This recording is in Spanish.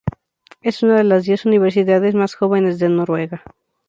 Es una de las diez universidades más jóvenes de Noruega.